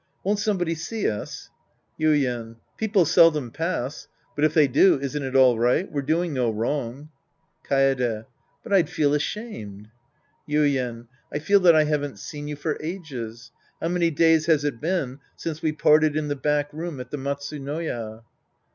Won't somebody see us ? Yuien People seldom pass. But if they do, isn't it all right ? We're doing no wrong. Kaede. But I'd feel ashamed. Yuien. I feel that I haven't seen you for ages. How many days has it been since we parted in the back room at the Matsunoya